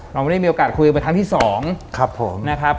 เราไม่ได้มีโอกาสคุยไปทั้งที่๒ครับ